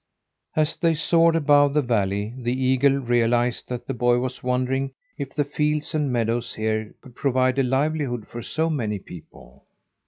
As they soared above the valley the eagle realized that the boy was wondering if the fields and meadows here could provide a livelihood for so many people.